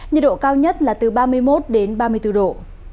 nhiệt độ cao nhất là từ ba mươi một đến ba mươi bốn độ